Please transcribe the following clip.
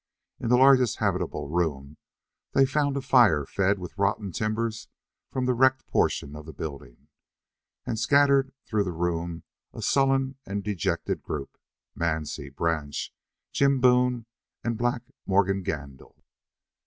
In the largest habitable room they found a fire fed with rotten timbers from the wrecked portion of the building, and scattered through the room a sullen and dejected group: Mansie, Branch, Jim Boone, and Black Morgan Gandil.